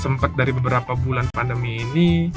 sempat dari beberapa bulan pandemi ini